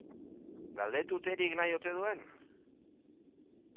Galdetu terik nahi ote duen?